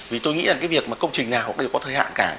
vì tôi nghĩ là cái việc mà công trình nào cũng đều có thời hạn cả